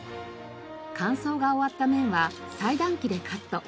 乾燥が終わった麺は裁断機でカット。